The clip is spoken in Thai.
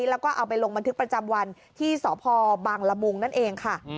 แล้วก็เอาไปลงบันทึกประจำวันที่สพบางละมุงนั่นเองค่ะ